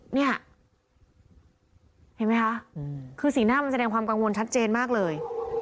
เนี่ยเห็นไหมคะคือสีหน้ามันแสดงความกังวลชัดเจนมากเลย